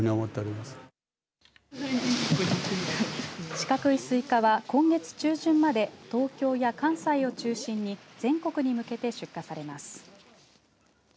四角いスイカは今月中旬まで東京や関西を中心に全国に向けて出荷されます。